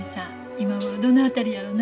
今頃どの辺りやろな。